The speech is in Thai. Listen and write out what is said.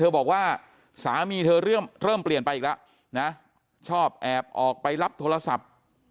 บอกว่าสามีเธอเริ่มเปลี่ยนไปอีกแล้วนะชอบแอบออกไปรับโทรศัพท์